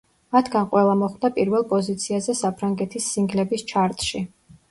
მათგან ყველა მოხვდა პირველ პოზიციაზე საფრანგეთის სინგლების ჩარტში.